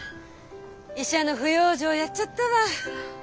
「医者の不養生」やっちゃったわ。